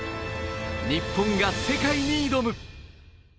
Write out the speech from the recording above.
日本が世界に挑む。